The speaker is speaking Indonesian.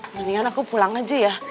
mendingan aku pulang aja ya